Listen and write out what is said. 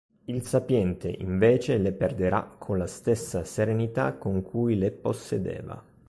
Il sapiente invece le perderà con la stessa serenità con cui le possedeva.